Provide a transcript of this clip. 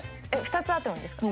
２つあってもいいですか？